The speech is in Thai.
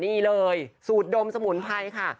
นี่เลยสูตรดมสมุนไพรค่ะ